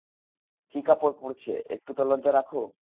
কি কাপড় পরেছে একটু তো লজ্জা রাখো?